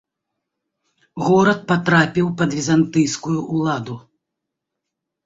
Горад патрапіў пад візантыйскую ўладу.